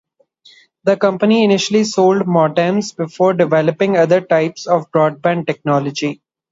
The company initially sold modems before developing other types of broadband technology.